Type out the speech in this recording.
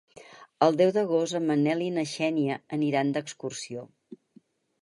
El deu d'agost en Manel i na Xènia aniran d'excursió.